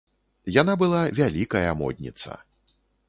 Яна была вялікая модніца.